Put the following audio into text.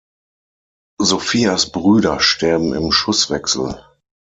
Sophias Brüder sterben im Schusswechsel.